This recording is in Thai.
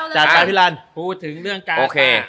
จากพี่รันพูดถึงเรื่องการ์ต้า